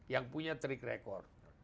yang punya trik rekor